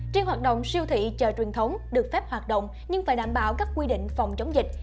trên hoạt động siêu thị chợ truyền thống được phép hoạt động nhưng phải đảm bảo các quy định phòng chống dịch